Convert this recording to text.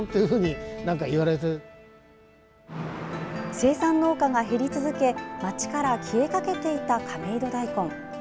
生産農家が減り続け街から消えかけていた亀戸だいこん。